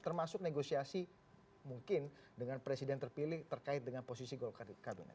termasuk negosiasi mungkin dengan presiden terpilih terkait dengan posisi golkar di kabinet